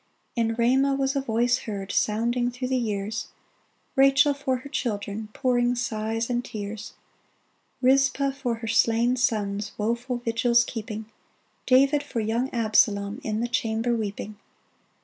In Ramah was a voice heard Sounding through the years — Rachel for her children Pouring sighs and tears f Rizpah for her slain sons Woful vigils keeping ; David for young Absalom In the chamber weeping